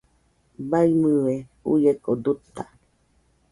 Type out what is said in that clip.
Baiñɨe uieko duta